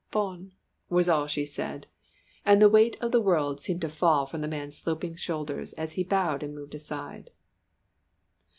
"Bon," was all she said, and the weight of the world seemed to fall from the man's sloping shoulders as he bowed and moved aside.